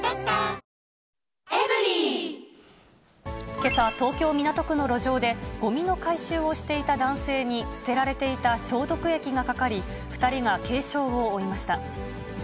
けさ、東京・港区の路上で、ごみの回収をしていた男性に捨てられていた消毒液がかかり、２人が軽傷を負いました。